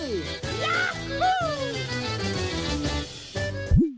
ยาฮู้